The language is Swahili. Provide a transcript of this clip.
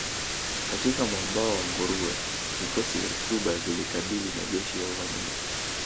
Katika mwambao wa nguruwe vikosi vya Cuba vilikabili majeshi ya uvamizi